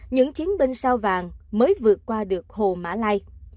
những chiến binh sao vàng mới vượt qua được hồ mã lai